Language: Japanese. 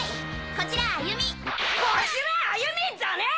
「こちら歩美」じゃねぇ！！